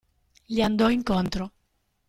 Gli andò incontro.